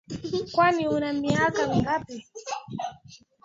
Kwani una miaka mingapi?